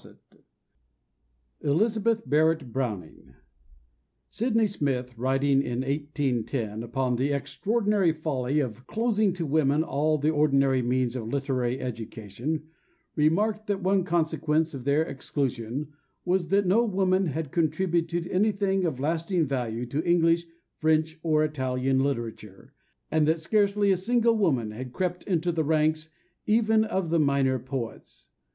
XII ELIZABETH BARRETT BROWNING SYDNEY SMITH, writing in 1810 upon the extraordinary folly of closing to women all the ordinary means of literary education, remarked that one consequence of their exclusion was that no woman had contributed anything of lasting value to English, French, or Italian literature, and that scarcely a single woman had crept into the ranks even of the minor poets.